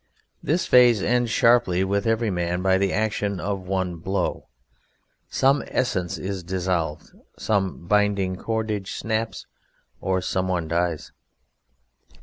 This phase ends sharply with every man, by the action of one blow. Some essence is dissolved, some binding cordage snaps, or some one dies.